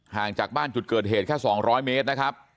ห่างจากบ้านจุดเกิดเหตุแค่๒๐๐เมตรนะครับ